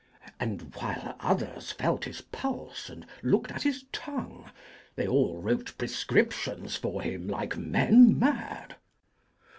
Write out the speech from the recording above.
And while others felt his pulse and looked at his tongue, they all wrote prescriptions for him like men mad.